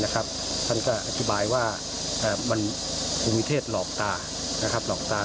ท่านก็อธิบายว่ามันมีวิเทศหลอกตา